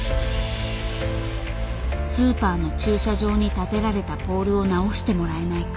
スーパーの駐車場にたてられたポールを直してもらえないか。